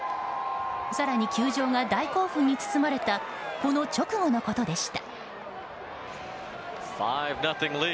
更に球場が大興奮に包まれたこの直後のことでした。